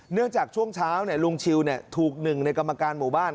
จากช่วงเช้าลุงชิวถูกหนึ่งในกรรมการหมู่บ้าน